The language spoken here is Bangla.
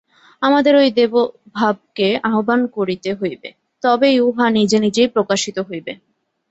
আমাদের ঐ দেবভাবকে আহ্বান করিতে হইবে, তবেই উহা নিজে নিজেই প্রকাশিত হইবে।